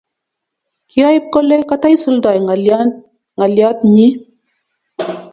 kiaip kole kataisuldai ngaliat nyii